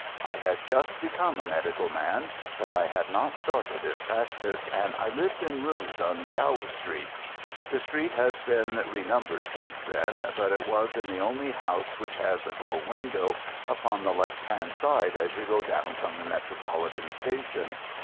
I had just become a medical man, but I had not started in practice, and I lived in rooms in Gower Street. The street has been renumbered since then, but it was in the only house which has a bow window, upon the left hand side as you go down from the Metropolitan Station.